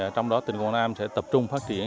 trong đó tỉnh quảng nam sẽ tập trung phát triển